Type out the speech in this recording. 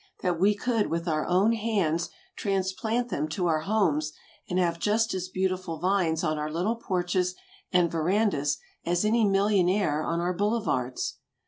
That we could with our own hands transplant them to our homes and have just as beautiful vines on our little porches and verandas as any millionaire on our boulevards?